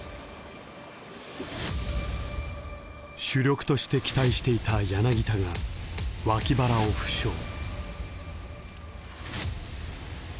主力として期待していた柳田が脇腹を負傷。